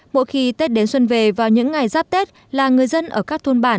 mỗi khi tết đến xuân về vào những ngày giáp tết là người dân ở các thôn bản